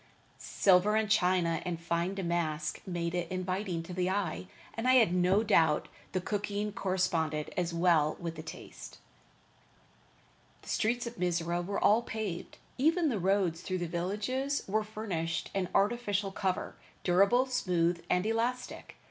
Silver and china and fine damask made it inviting to the eye, and I had no doubt the cooking corresponded as well with the taste. The streets of Mizora were all paved, even the roads through the villages were furnished an artificial cover, durable, smooth and elastic.